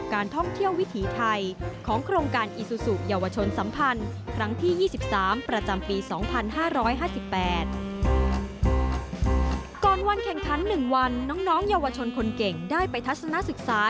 วันแข่งขัน๑วันน้องเยาวชนคนเก่งได้ไปทัศนศึกษา